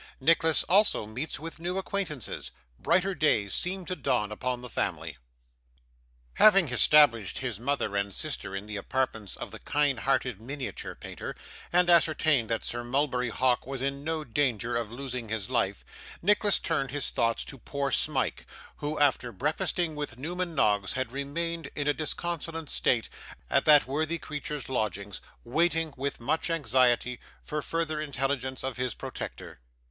Nicholas also meets with new Acquaintances. Brighter Days seem to dawn upon the Family Having established his mother and sister in the apartments of the kind hearted miniature painter, and ascertained that Sir Mulberry Hawk was in no danger of losing his life, Nicholas turned his thoughts to poor Smike, who, after breakfasting with Newman Noggs, had remained, in a disconsolate state, at that worthy creature's lodgings, waiting, with much anxiety, for further intelligence of his protector.